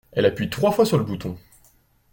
Elle appuie trois fois sur le bouton.